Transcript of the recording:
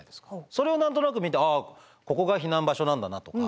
それを何となく見てああここが避難場所なんだなとか。